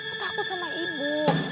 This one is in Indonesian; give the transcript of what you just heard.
aku takut sama ibu